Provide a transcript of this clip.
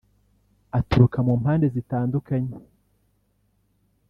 aturuka mu mpande zitandukanye